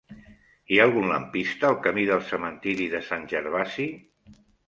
Hi ha algun lampista al camí del Cementiri de Sant Gervasi?